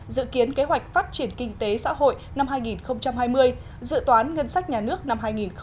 dự kiến kế hoạch phát triển kinh tế xã hội năm hai nghìn hai mươi dự toán ngân sách nhà nước năm hai nghìn hai mươi